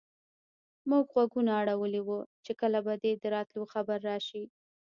موږ غوږونه اړولي وو چې کله به دې د راتلو خبر راشي.